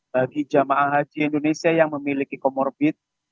bagi jemaah haji indonesia yang memiliki comorbid